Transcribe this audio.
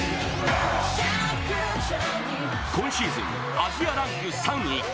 今シーズン、アジアランク３位。